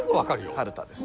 カルタです。